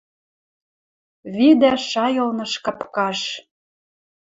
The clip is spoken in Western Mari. Видӓ шайылныш капкаш.